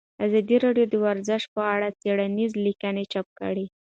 ازادي راډیو د ورزش په اړه څېړنیزې لیکنې چاپ کړي.